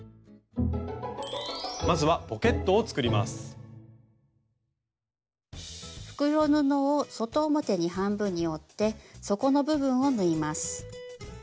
まずは袋布を外表に半分に折って底の部分を縫います。